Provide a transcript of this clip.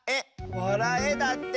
「わらえ」だって！